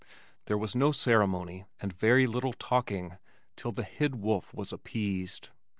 There was no ceremony and very little talking till the hid wolf was appeased.